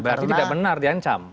berarti tidak benar diancam